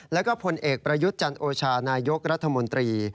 แล้วก็ผลเอกประยุทธ์จันโอชานายกรัฐมนตรี